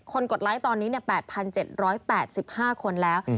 กดไลค์ตอนนี้๘๗๘๕คนแล้ว